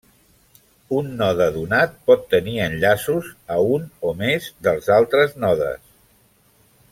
Un node donat pot tenir enllaços a un o més dels altres nodes.